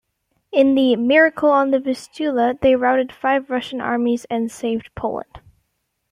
In the "miracle on the Vistula," they routed five Russian armies and saved Poland.